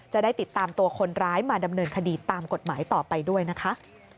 จะได้ติดตามตัวคนร้ายมาดำเนินคดีตามกฎหมายต่อไปด้วยนะคะ